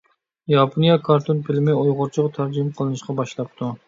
ياپونىيە كارتون فىلىمى ئۇيغۇرچىغا تەرجىمە قىلىنىشقا باشلاپتۇ.